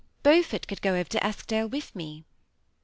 Beaufort could go over to Eskdale with me."